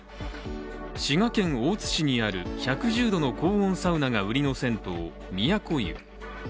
滋賀県大津市にある１１０度の高温サウナが売りの銭湯、都湯。